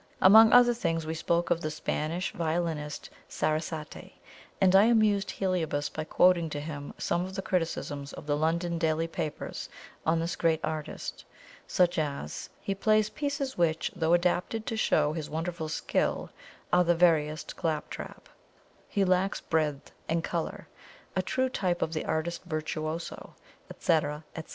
Among other things, we spoke of the Spanish violinist Sarasate, and I amused Heliobas by quoting to him some of the criticisms of the London daily papers on this great artist, such as, "He plays pieces which, though adapted to show his wonderful skill, are the veriest clap trap;" "He lacks breadth and colour;" "A true type of the artist virtuoso," etc., etc.